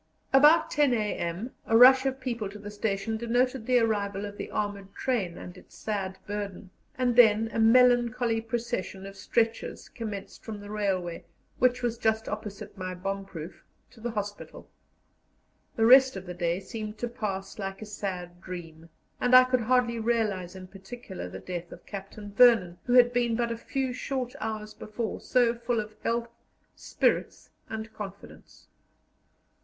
About 10 a.m. a rush of people to the station denoted the arrival of the armoured train and its sad burden, and then a melancholy procession of stretchers commenced from the railway, which was just opposite my bomb proof, to the hospital. The rest of the day seemed to pass like a sad dream, and I could hardly realize in particular the death of Captain Vernon, who had been but a few short hours before so full of health, spirits, and confidence.